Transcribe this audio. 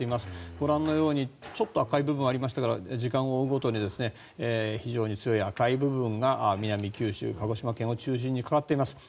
ご覧のようにちょっと赤い部分がありましたが時間を追うごとに非常に強い赤い部分が南九州、鹿児島県を中心にかかっています。